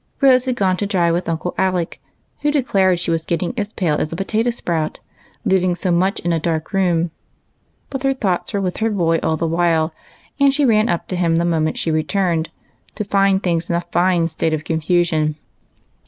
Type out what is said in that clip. Rose had gone to drive with Uncle Alec, who de clared she was getting as pale as a potato sprout, living so much in a dark room. But her thoughts were with her boy all the while, and she ran up to him the mo ment she returned, to find things in a fine state of con fusion.